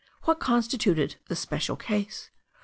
What constituted the "special case"?